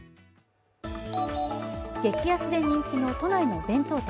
激安で人気の都内の弁当店。